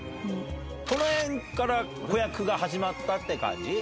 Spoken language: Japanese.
この辺から子役が始まったって感じ？